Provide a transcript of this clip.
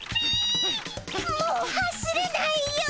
もう走れないよ。